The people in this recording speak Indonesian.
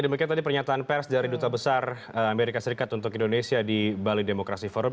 demikian tadi pernyataan pers dari duta besar amerika serikat untuk indonesia di bali demokrasi forum